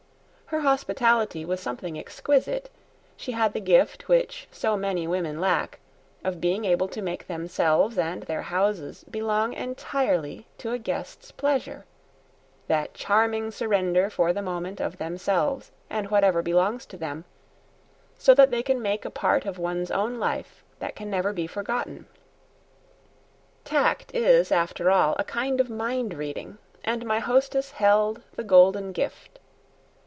Her hospitality was something exquisite; she had the gift which so many women lack, of being able to make themselves and their houses belong entirely to a guest's pleasure, that charming surrender for the moment of themselves and whatever belongs to them, so that they make a part of one's own life that can never be forgotten. Tact is after all a kind of mindreading, and my hostess held the golden gift.